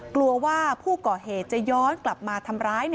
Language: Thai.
กลัวว่าผู้ก่อเหตุจะย้อนกลับมาทำร้าย